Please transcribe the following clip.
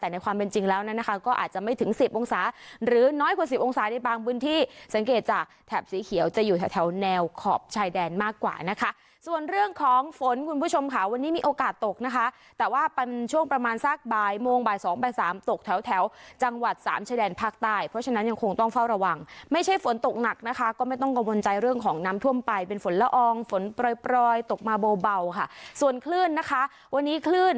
ในบางบุญที่สังเกตจากแถบสีเขียวจะอยู่แถวแถวแนวขอบชายแดนมากกว่านะคะส่วนเรื่องของฝนคุณผู้ชมค่ะวันนี้มีโอกาสตกนะคะแต่ว่าเป็นช่วงประมาณสักบ่ายโมงบ่ายสองบ่ายสามตกแถวแถวจังหวัดสามชายแดนภาคใต้เพราะฉะนั้นยังคงต้องเฝ้าระวังไม่ใช่ฝนตกหนักนะคะก็ไม่ต้องกระวนใจเรื่องของน้ำท่วมไปเป็น